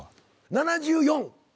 ７４。